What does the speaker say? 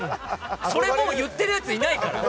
それ言ってるやつもういないから。